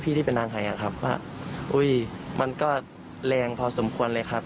ที่เป็นนางไทยอะครับว่าอุ้ยมันก็แรงพอสมควรเลยครับ